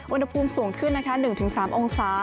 อุณหภูมิสูงขึ้นนะคะ๑๓องศา